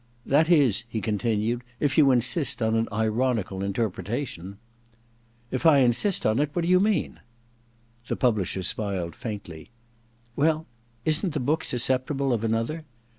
* That is,' he continued, * if you insist on an ironical interpretation.' II THE DESCENT OF MAN 17 * If I insist on it — ^what do you mean ?* The publisher smiled faintly. *Well — ^isn*t the book susceptible of another